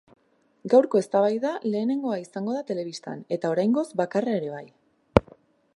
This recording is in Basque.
Gaurko eztabaida lehenengoa izango da telebistan, eta oraingoz bakarra ere bai.